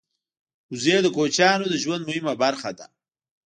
وزې د کوچیانو د ژوند مهمه برخه ده